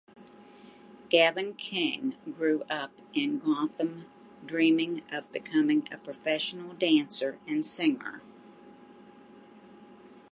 Gavin King grew up in Gotham dreaming of becoming a professional dancer and singer.